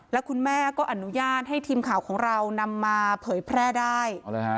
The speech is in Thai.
แล้วคุณแม่ก็อนุญาตให้ทีมข่าวของเรานำมาเผยแพร่ได้